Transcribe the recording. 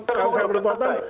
kalau saya boleh potong